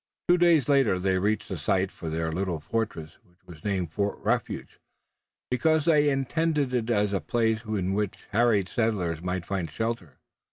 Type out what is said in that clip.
Two days later they reached the site for their little fortress which they named Fort Refuge, because they intended it as a place in which harried settlers might find shelter.